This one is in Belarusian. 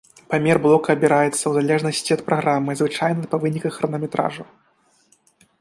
Памер блока абіраецца ў залежнасці ад праграмы, звычайна па выніках хронаметражу.